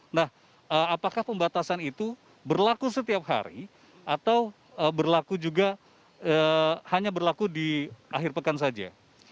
nah apakah pembatasan itu berlaku setiap hari atau berlaku juga hanya berlaku di akhir pekan saja